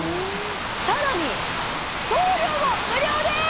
さらに送料も無料です！